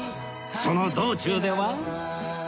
その道中では